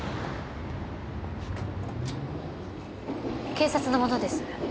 警察の者です。